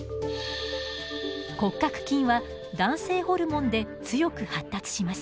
骨格筋は男性ホルモンで強く発達します。